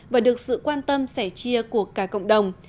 và được sự quan tâm sẻ chia của cả cộng đồng